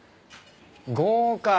豪華。